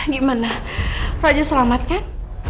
gimana raja selamat kan